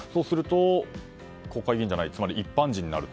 国会議員じゃないつまり一般人になると。